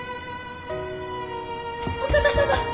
お方様！